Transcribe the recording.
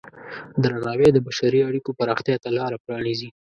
درناوی د بشري اړیکو پراختیا ته لاره پرانیزي.